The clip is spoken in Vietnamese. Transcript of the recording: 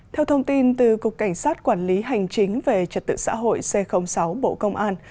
theo thông tin từ cục cảnh sát quản lý hành chính về trật tự xã hội c sáu bộ công an